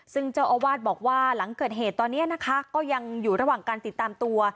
ซึ่งเจ้าอาวาสบอกว่าหลังเกิดเหตุตอนนี้นะคะก็ยังอยู่ระหว่างการติดตามตัว